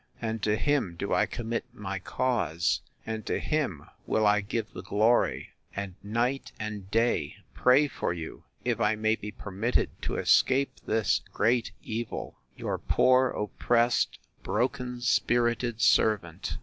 —And to him do I commit my cause; and to him will I give the glory, and night and day pray for you, if I may be permitted to escape this great evil!—— Your poor oppressed, broken spirited servant.